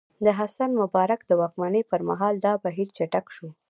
د حسن مبارک د واکمنۍ پر مهال دا بهیر چټک شو.